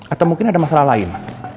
atau mungkin ada masalah lain